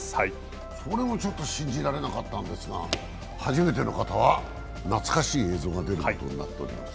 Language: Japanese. これもちょっと信じられなかったんですが、初めての方は懐かしい映像が出ることになっています。